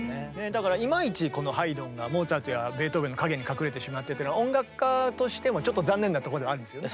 だからいまいちこのハイドンがモーツァルトやベートーベンの陰に隠れてしまってというのは音楽家としてはちょっと残念なとこではあるんですよね。